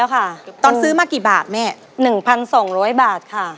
ใช่ซื้อมานานแบบนี้